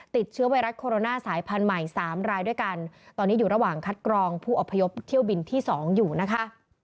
ติดเชื้อไวรัสโคโรนาสายพันธุ์ใหม่๓รายด้วยกันตอนนี้อยู่ระหว่างคัดกรองผู้อพยพเที่ยวบินที่๒อยู่นะคะ